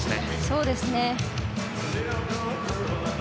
そうですね。